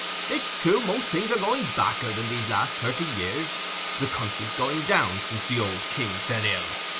It's true, most things are gone back'ard in these last thirty years—the country's going down since the old king fell ill.